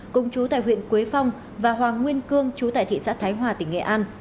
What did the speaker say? công chú tại huyện quế phong và hoàng nguyên cương chú tại thị xã thái hòa tỉnh nghệ an